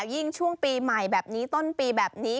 ยิ่งช่วงปีใหม่แบบนี้ต้นปีแบบนี้